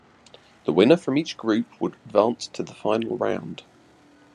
The winner from each group would advance to the final round.